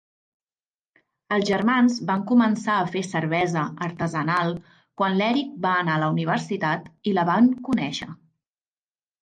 Els germans van començar a fer cervesa artesanal quan l'Eric va anar a la universitat i la van conèixer.